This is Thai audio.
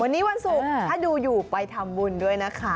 วันนี้วันศุกร์ถ้าดูอยู่ไปทำบุญด้วยนะคะ